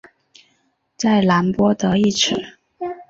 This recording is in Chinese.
在蓝彼得一词。